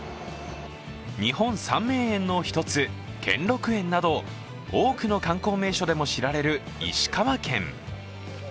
日本三名園の一つ、兼六園など多くの観光名所でも知られる石川県。